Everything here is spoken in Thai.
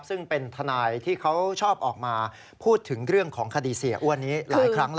ซึ่งเป็นทนายที่เขาชอบออกมาพูดถึงเรื่องของคดีเสียอ้วนนี้หลายครั้งแล้ว